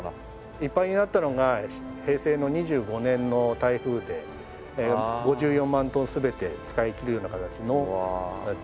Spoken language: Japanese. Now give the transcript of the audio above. いっぱいになったのが平成の２５年の台風で５４万トン全て使い切るような形の貯水量がありました。